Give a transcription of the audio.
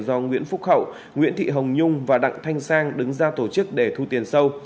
do nguyễn phúc hậu nguyễn thị hồng nhung và đặng thanh sang đứng ra tổ chức để thu tiền sâu